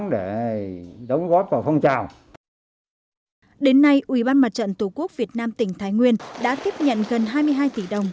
đến nay ủy ban mặt trận tổ quốc việt nam tỉnh thái nguyên đã tiếp nhận gần hai mươi hai tỷ đồng